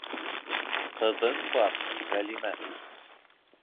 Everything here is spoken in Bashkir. Ҡыҙың бар, Ғәлимә...